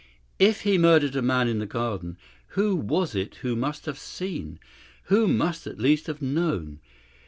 If he murdered a man in the garden, who was it who must have seen who must at least have known?